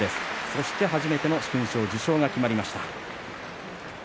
そして初めての殊勲賞受賞が決まりました。